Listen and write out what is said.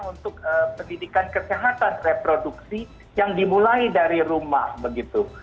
untuk pendidikan kesehatan reproduksi yang dimulai dari rumah begitu